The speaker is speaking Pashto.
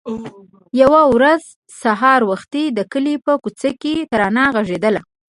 يوه ورځ سهار وختي د کلي په کوڅو کې ترانه غږېدله.